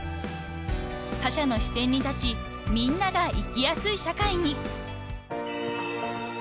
［他者の視点に立ちみんなが生きやすい社会に］